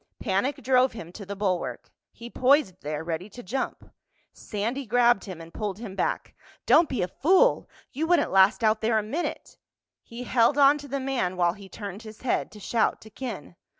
Panic drove him to the bulwark. He poised there ready to jump. Sandy grabbed him and pulled him back. "Don't be a fool! You wouldn't last out there a minute." He held on to the man while he turned his head to shout to Ken.